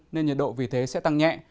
nên nhiệt độ vì thế sẽ tăng nhẹ